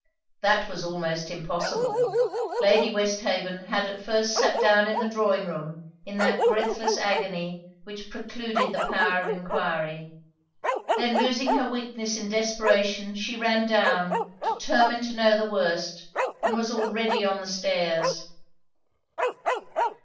That was almost impossible. Lady Westhaven had at first sat down in the drawing room in that breathless agony which precluded the power of enquiry; then losing her weakness in desperation, she ran down, determined to know the worst, and was already on the stairs.